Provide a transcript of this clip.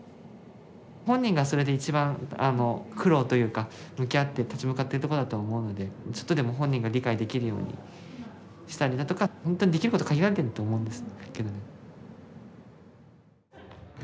本人がそれで一番苦労というか向き合って立ち向かってるとこだと思うのでちょっとでも本人が理解できるようにしたりだとかほんとにできること限られてると思うんです。